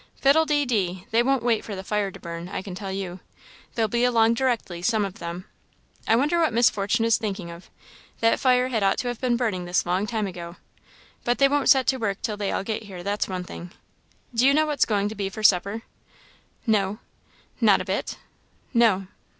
"Fiddle de dee! they won't wait for the fire to burn, I can tell you. They'll be along directly, some of them. I wonder what Miss Fortune is thinking of that fire had ought to have been burning this long time ago but they won't set to work till they all get here, that's one thing. Do you know what's going to be for supper?" "No." "Not a bit?" "No."